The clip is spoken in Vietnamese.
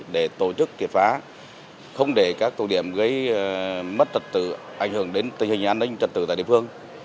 để tổ chức thiệt phá không để các tù điểm gây mất trật tử ảnh hưởng đến tình hình an ninh trật tử tại địa phương